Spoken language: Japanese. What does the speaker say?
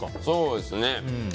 そうですね。